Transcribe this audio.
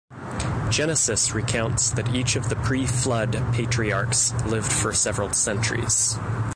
Genesis recounts that each of the pre-Flood Patriarchs lived for several centuries.